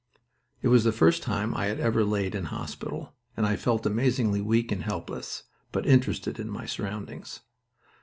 It was the first time I had ever laid in hospital, and I felt amazingly weak and helpless, but interested in my surroundings.